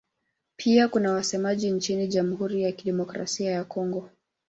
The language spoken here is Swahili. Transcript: Pia kuna wasemaji nchini Jamhuri ya Kidemokrasia ya Kongo.